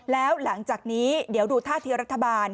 แล้วหลังจากนี้เดี๋ยวดูท่าทีรัฐบาล